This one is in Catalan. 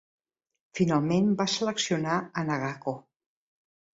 Finalment va seleccionar a Nagako.